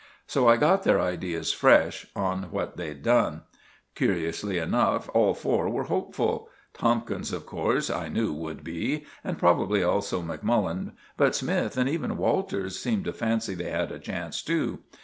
So I got their ideas fresh on what they'd done. Curiously enough, all four were hopeful. Tomkins, of course, I knew would be, and probably also Macmullen, but Smythe and even Walters seemed to fancy they had a chance too.